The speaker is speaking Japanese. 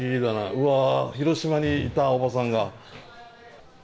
うわ広島にいたおばさんが。